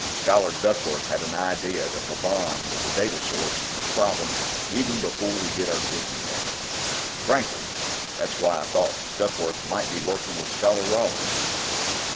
"Scholar Duckworth had an idea that Lobon was a data source on the problem even before we did our digging there. Frankly, that's why I thought Duckworth might be working with Scholar Rawlings."